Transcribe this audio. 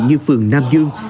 như phường nam dương